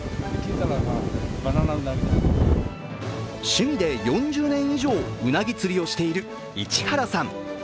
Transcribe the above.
趣味で４０年以上、うなぎ釣りをしている市原さん。